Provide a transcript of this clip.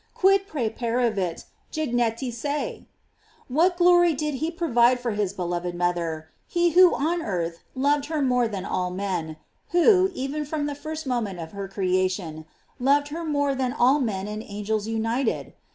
"Quid praeparavit gignenti se"? What glory did he prepare for his beloved mother, he who on earth loved her more than all men; who, even from the first moment of her creation, lov ed her more than all men and angels united!